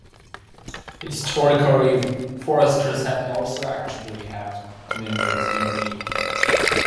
Historically, Foresters has also actively helped communities in need.